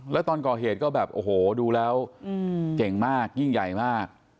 แล้วตอนก่อเหตุก็แบบโอ้โหดูแล้วเก่งมากยิ่งใหญ่มาก